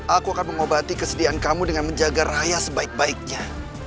aku akan mengobati kesediaan kamu dengan menjaga raya sebaik baiknya